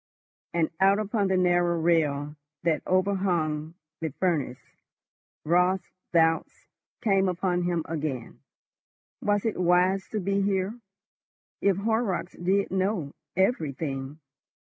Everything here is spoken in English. And out upon the narrow rail that overhung the furnace, Raut's doubts came upon him again. Was it wise to be here? If Horrocks did know—everything!